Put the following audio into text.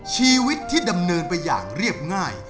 ชีวิตที่ดำเนินไปอย่างเรียบง่าย